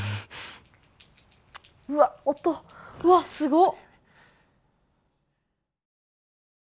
うわ音うわすごっ！